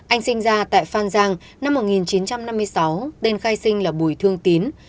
anh sinh ra tại phan giang năm một nghìn chín trăm năm mươi sáu tên khai sinh là bùi thương tín